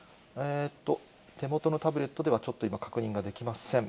手元のタブレットではちょっと今、確認ができません。